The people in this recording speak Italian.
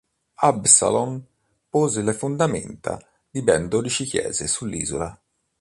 Absalon pose le fondamenta di ben dodici chiese sull'isola.